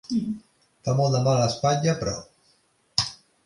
Fa molt de mal a l'espatlla, però.